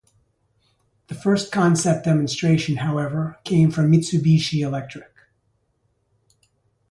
The first concept demonstration however came from Mitsubishi Electric.